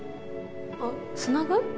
あっつなぐ？